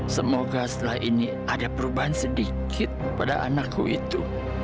semoga setelah ini ada perubahan sedikit pada anakku itu